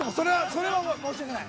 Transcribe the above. それは申し訳ない。